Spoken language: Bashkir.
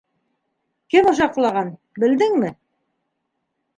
— Кем ошаҡлаған, белдеңме?